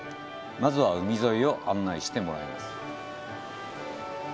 まずは海沿いを案内してもらいます。